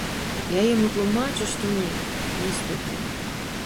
Я яму тлумачу, што не, не з дублем.